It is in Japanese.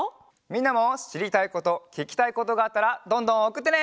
みんなもしりたいことききたいことがあったらどんどんおくってね。